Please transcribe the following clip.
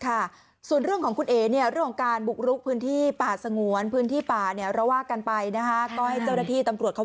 ค่ะส่วนเรื่องของคุณเองเนี่ยเรื่องของการบุกรุกพื้นที่ป่าสงวนพื้นที่ป่าร่วกกันไปนะคะ